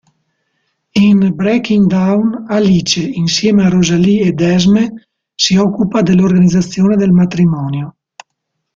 In "Breaking Dawn", Alice, insieme a Rosalie ed Esme si occupa dell'organizzazione del matrimonio.